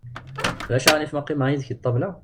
Ulac aɣilif ma qqimeɣ yid-k deg ṭabla?